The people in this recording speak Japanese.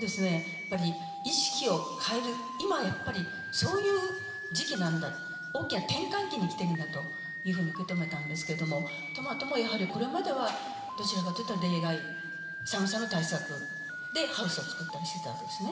やっぱり意識を変える今やっぱりそういう時期なんだ大きな転換期に来てるんだというふうに受け止めたんですけどもトマトもやはりこれまではどちらかというと冷害寒さの対策でハウスを作ったりしてたわけですね。